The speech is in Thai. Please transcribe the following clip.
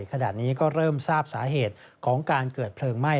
ขณะนี้ก็เริ่มทราบสาเหตุของการเกิดเพลิงไหม้